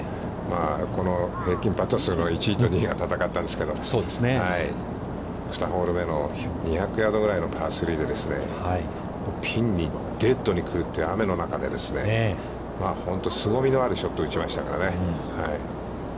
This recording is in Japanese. この平均パット数の１位と２位が戦ったんですけれども、２ホール目の２００ヤードぐらいのパー３でですね、ピンにデッドに来るという雨の中でですね、本当にすごみのあるショットを打ちましたからね。